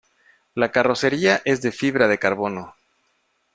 La carrocería es de fibra de carbono.